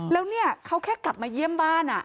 แล้วเนี่ยเขาแค่กลับมาเยี่ยมบ้าน